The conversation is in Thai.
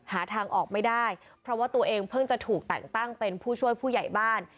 หาทางออกไม่ได้เพราะว่าตัวเองเพิ่งจะถูกแต่งตั้งเป็นผู้ช่วยผู้ใหญ่บ้าน